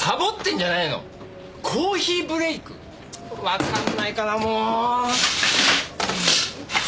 わかんないかなもう！